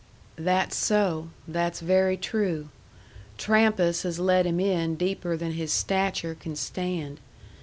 "That's so. That's very true. Trampas has led him in deeper than his stature can stand.